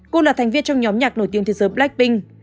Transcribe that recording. cô là thành viên trong nhóm nhạc nổi tiếng thế giới blackpink